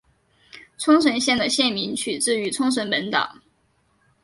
冲绳县的县名取自于冲绳本岛。